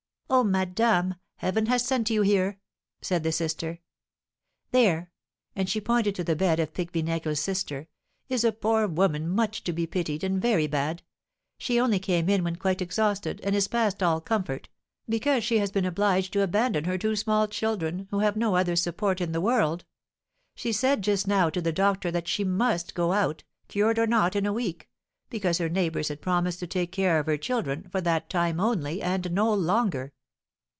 "Ah, madame, Heaven has sent you here!" said the sister. "There," and she pointed to the bed of Pique Vinaigre's sister, "is a poor woman much to be pitied, and very bad; she only came in when quite exhausted, and is past all comfort, because she has been obliged to abandon her two small children, who have no other support in the world. She said just now to the doctor that she must go out, cured or not, in a week, because her neighbours had promised to take care of her children for that time only and no longer."